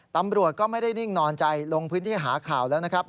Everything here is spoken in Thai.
ตำรวจก็ไม่ได้นิ่งนอนใจลงพื้นที่หาข่าวแล้วนะครับ